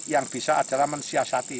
yang bisa adalah mensiasati